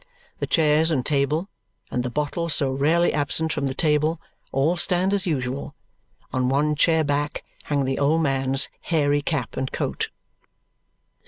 The chairs and table, and the bottle so rarely absent from the table, all stand as usual. On one chair back hang the old man's hairy cap and coat.